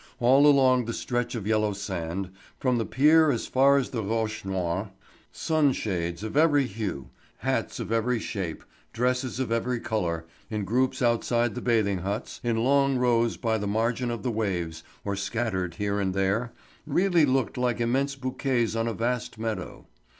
All along the stretch of yellow sand, from the pier as far as the Roches Noires, sun shades of every hue, hats of every shape, dresses of every colour, in groups outside the bathing huts, in long rows by the margin of the waves, or scattered here and there, really looked like immense bouquets on a vast meadow.